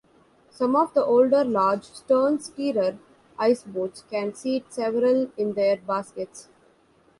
Some of the older large "stern steerer" iceboats can seat several in their "baskets.